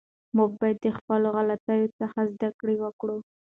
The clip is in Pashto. موږ باید د خپلو غلطیو څخه زده کړه وکړو.